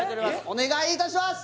お願いいたします！